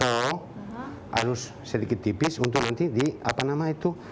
atau harus sedikit tipis untuk nanti di apa nama itu